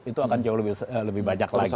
itu akan jauh lebih banyak lagi